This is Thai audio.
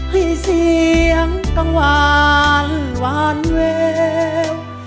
ให้เสียงกังวานหวานแวว